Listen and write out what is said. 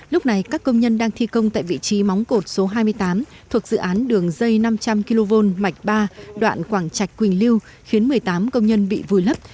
lúc này các công nhân đang thi công tại vị trí móng cột số hai mươi tám thuộc dự án đường dây năm trăm linh kv mạch ba đoạn quảng trạch quỳnh lưu khiến một mươi tám công nhân bị vùi lấp